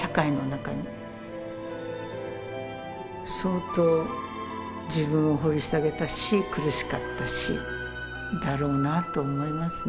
相当自分を掘り下げたし苦しかったしだろうなあと思いますね。